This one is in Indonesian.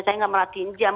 saya nggak merhatiin jam